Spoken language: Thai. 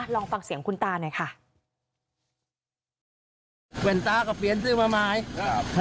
ลองฟังเสียงคุณตาหน่อยค่ะ